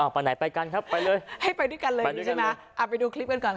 ของผมก็คือเอาไปไหนไปกันครับไปเลย